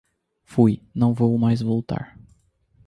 Fui! Não vou mais voltar.